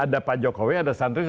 ada ketiga ada pak jokowi ada santri